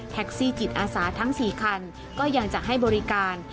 จิตอาสาทั้ง๔คันก็ยังจะให้บริการ